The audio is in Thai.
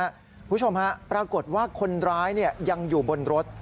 คุณผู้ชมฮะปรากฏว่าคนร้ายยังอยู่บนรถ